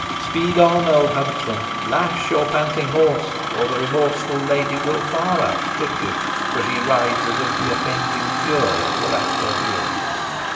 Speed on, old huntsman! lash your panting horse, or the remorseful lady will far outstrip you, for she rides as if the avenging furies were at her heels.